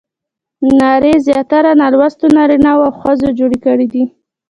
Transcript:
نارې زیاتره نالوستو نارینه وو او ښځو جوړې کړې دي.